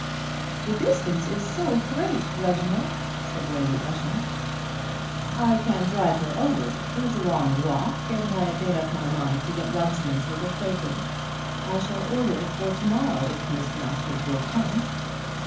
"The distance is so great, Reginald," said Lady Ushant. "I can drive her over. It is a long walk, and I had made up my mind to get Runciman's little phaeton. I shall order it for to morrow if Miss Masters will come."